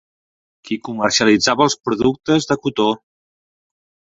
Qui comercialitzava els productes de cotó?